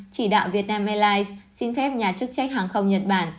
chỉ đạo vietnam airlines xin phép nhà chức trách hàng không nhật bản